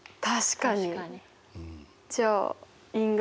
確かに！